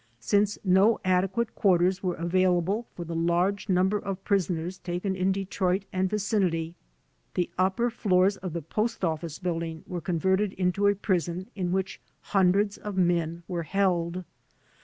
Since no adequate quarters were available for the large number of prisoners taken in Detroit and vicinity, the upper floors of the Post Office building were converted into a prison in which hundreds of men were held.